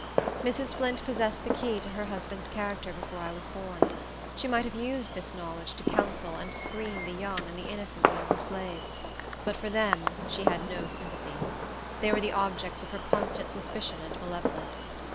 Mrs. Flint possessed the key to her husband's character before I was born. She might have used this knowledge to counsel and to screen the young and the innocent among her slaves; but for them she had no sympathy. They were the objects of her constant suspicion and malevolence.